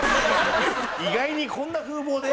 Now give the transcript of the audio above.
意外にこんな風貌で？